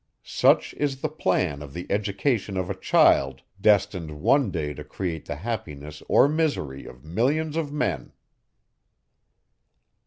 Such is the plan of the education of a child, destined one day to create the happiness or misery of millions of men!